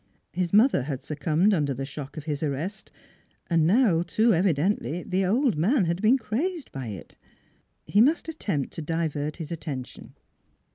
His mother had succumbed under the shock of his arrest, and now, too evidently, the old man had been crazed by it. He must attempt to divert his attention.